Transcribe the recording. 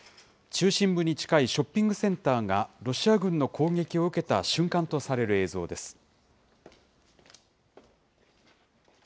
中心部に近いショッピングセンターがロシア軍の攻撃を受けた瞬間とされる映像です。